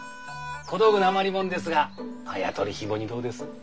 小道具の余りもんですがあやとりひもにどうです？